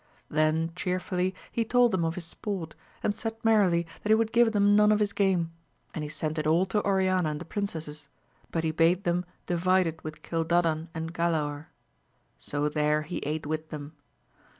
Then chearfully he told them of his sport, and said merrily that he would give them none of his game ; and he sent it all to Oriana and the princesses, but he bade them divide it with Gildadan and Galaor. So there he ate with them.